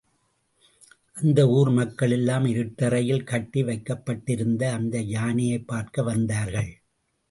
அந்த ஊர் மக்களெல்லாம் இருட்டறையில் கட்டி வைக்கப் பட்டிருந்த அந்த யானையைப் பார்க்க வந்தார்கள்.